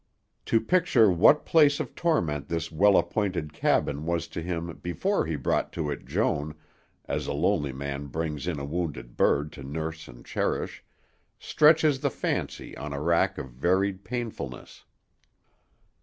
To picture what place of torment this well appointed cabin was to him before he brought to it Joan, as a lonely man brings in a wounded bird to nurse and cherish, stretches the fancy on a rack of varied painfulness.